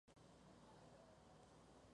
Allí conoce a Gustavo Machado.